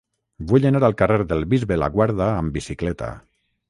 Vull anar al carrer del Bisbe Laguarda amb bicicleta.